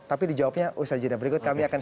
tapi dijawabnya ustaz jidah berikut kami akan